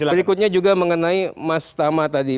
berikutnya juga mengenai mas tama tadi